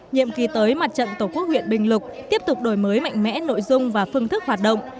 nhiệm kỳ tới mặt trận tổ quốc huyện bình lục tiếp tục đổi mới mạnh mẽ nội dung và phương thức hoạt động